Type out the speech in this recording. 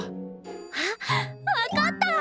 あっ分かった！